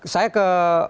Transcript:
oke saya ke